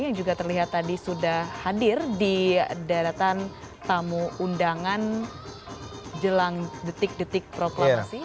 yang juga terlihat tadi sudah hadir di daratan tamu undangan jelang detik detik proklamasi